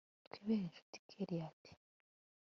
twibere inshuti kellia ati